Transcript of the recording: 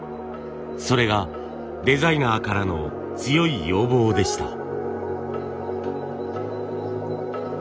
それがデザイナーからの強い要望でした。